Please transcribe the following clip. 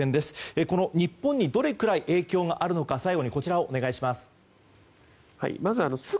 この日本にどれくらい影響があるのか、最後にお願いします。